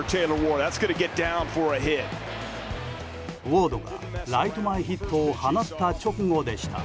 ウォードがライト前ヒットを放った直後でした。